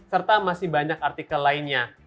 serta masih banyak artikel lainnya